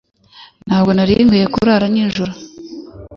Ntabwo nari nkwiye kurara nijoro